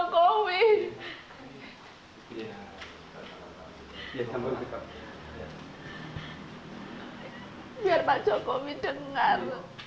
biar pak jokowi dengar